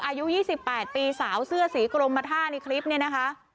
อายุ๒๘ปีสาวเสื้อสีกรมภาษณ์ในคลิปนี้นะคะ